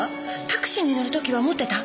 タクシーに乗る時は持ってた？